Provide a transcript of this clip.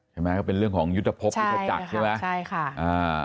ใช่ไหมเป็นเรื่องของยุทธภพอีกกระจักรใช่ไหม